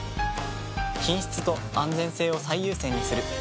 品質と安全性を最優先にする。